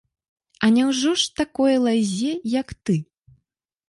А няўжо ж такой лазе, як ты?